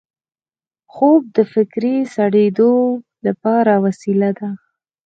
خوب د فکري سړېدو لپاره وسیله ده